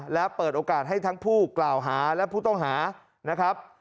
และเปิดโอกาสให้ทั้งผู้กล่าวหาและผู้ต้องหานะครับ